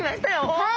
はい！